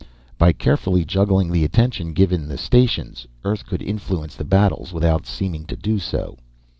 By carefully juggling the attention given the stations, Earth could influence the battles without seeming to do so.